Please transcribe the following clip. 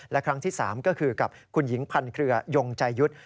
และครั้งที่๓ก็คือกับคุณหญิงพันเครือยงใจยุทธ์